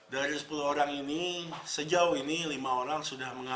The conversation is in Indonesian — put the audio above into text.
dari sepuluh orang ini sejauh ini lima orang sudah mengalami